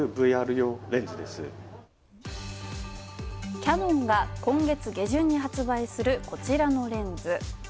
キヤノンが今月下旬に発売するこちらのレンズ。